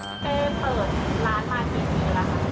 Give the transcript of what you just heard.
เจ้เปิดร้านมากี้สีมีแล้วครับ